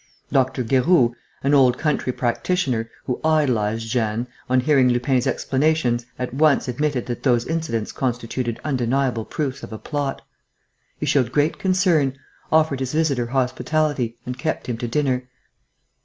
Dr. Guéroult, an old country practitioner, who idolized Jeanne, on hearing Lupin's explanations at once admitted that those incidents constituted undeniable proofs of a plot. He showed great concern, offered his visitor hospitality and kept him to dinner.